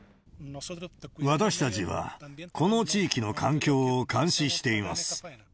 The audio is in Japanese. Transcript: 私たちは、この地域の環境を監視しています。